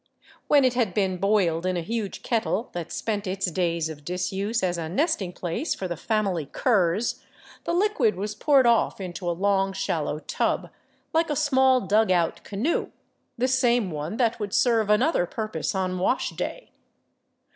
When it had been boiled in a huge kettle that spent its days of disuse as a nesting place for the family curs, the liquid was poured off into a long, shallow tub, like a small dug out canoe, the same one that would serve another purpose on wash day.